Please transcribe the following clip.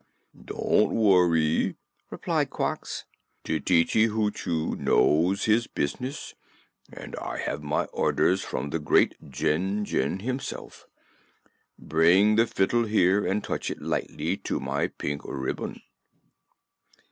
"Don't worry," replied Quox. "Tititi Hoochoo knows his business, and I have my orders from the Great Jinjin himself. Bring the fiddle here and touch it lightly to my pink ribbon."